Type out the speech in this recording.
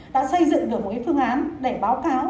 đã xây dựng được một phương án để báo cáo